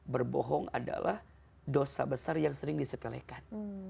berbohong adalah dosa besar yang sering disepelekan